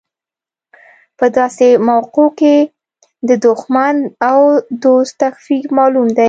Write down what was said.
په داسې مواقعو کې د دوښمن او دوست تفکیک معلوم دی.